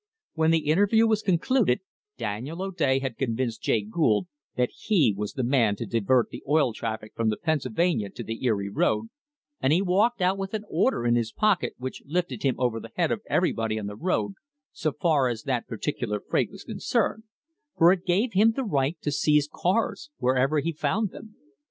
When the interview was concluded, Daniel O'Day had con vinced Jay Gould that he was the man to divert the oil traffic from the Pennsylvania to the Erie road, and he walked out with an order in his pocket which lifted him over the head of everybody on the road so far as that particular freight was concerned, for it gave him the right to seize cars wherever he found them.